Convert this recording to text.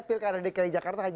pil karena di kerajaan jakarta aja